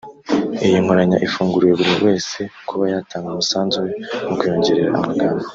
Iyi nkoranya ifunguriwe buri wese kuba yatanga umusanzu we mu kuyongerera amagambo